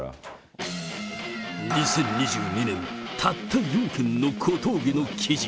２０２２年、たった４件の小峠の記事。